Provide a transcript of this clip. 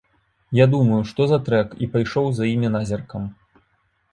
Я думаю, што за трэк, і пайшоў за імі назіркам.